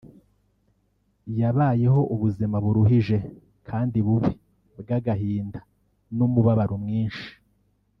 yabayeho ubuzima buruhije kandi bubi bw’agahinda n’umubabaro mwinshi